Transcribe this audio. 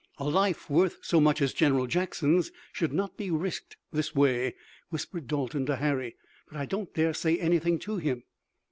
"A life worth so much as General Jackson's should not be risked this way," whispered Dalton to Harry, "but I don't dare say anything to him."